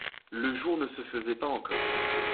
Le jour ne se faisait pas encore.